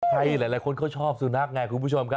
ใครหลายคนเขาชอบสุนัขไงคุณผู้ชมครับ